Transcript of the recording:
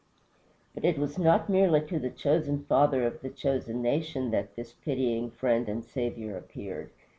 But it was not merely to the chosen father of the chosen nation that this pitying Friend and Saviour appeared.